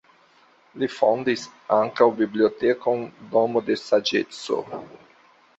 Li fondis ankaŭ bibliotekon Domo de saĝeco.